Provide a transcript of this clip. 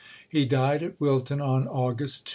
He died at Wilton on August 2.